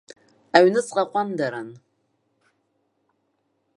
Аҩныҵҟа ҟәандаран.